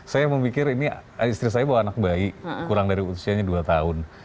saya memikir ini istri saya bawa anak bayi kurang dari usianya dua tahun